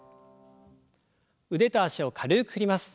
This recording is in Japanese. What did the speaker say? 腕と脚を軽く振ります。